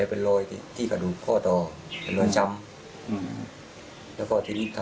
ตอนที่เราจะต้องช่วยเหลือคนอื่นมันลักษณะที่แล้วมา